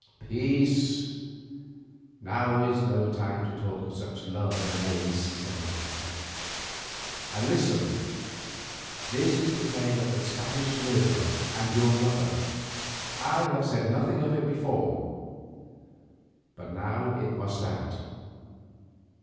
"Peace! now is no time for such talk of love and maids," said my father, "and listen. This is the tale of the Spanish murderer and your mother. I have said nothing of it heretofore, but now it must out.